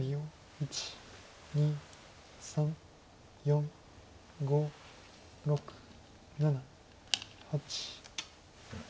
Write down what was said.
１２３４５６７８。